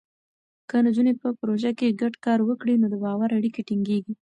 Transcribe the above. که نجونې په پروژو کې ګډ کار وکړي، نو د باور اړیکې ټینګېږي.